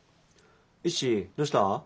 イッシーどうした？